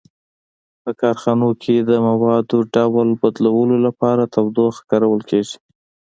په کارخانو کې د موادو ډول بدلولو لپاره تودوخه کارول کیږي.